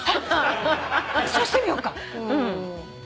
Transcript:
あっそうしてみようか。